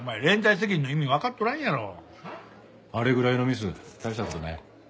あれぐらいのミス大した事ない。